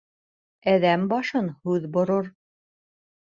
Әҙәм башын һүҙ борор.